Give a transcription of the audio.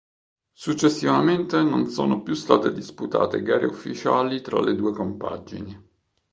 Successivamente non sono più state disputate gare ufficiali tra le due compagini.